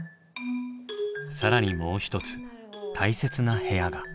更にもう一つ大切な部屋が。